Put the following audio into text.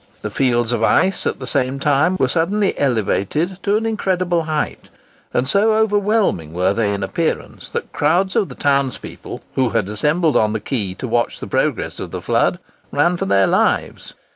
The fields of ice at the same time were suddenly elevated to an incredible height; and so overwhelming were they in appearance, that crowds of the townspeople, who had assembled on the quay to watch the progress of the flood, ran for their lives.